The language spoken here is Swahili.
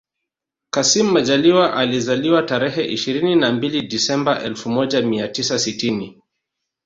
Kassim Majaliwa alizaliwa tarehe ishirini na mbili Disemba elfu moja mia tisa sitini